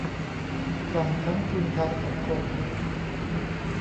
ต่ำทั้งทุนทางสังคม